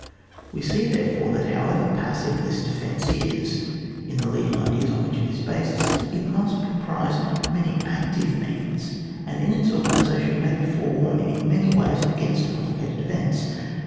We see, therefore, that however pas sive this defence is in the leading ideas on which it is based, still it must com prise many active means, and in its organisation may be forearmed in many ways against complicated events.